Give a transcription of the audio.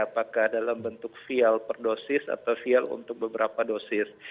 apakah dalam bentuk vial per dosis atau vial untuk beberapa dosis